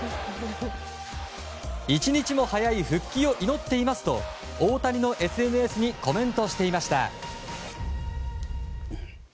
一日も早い復帰を祈っていますと大谷のＳＮＳにコメントしていました。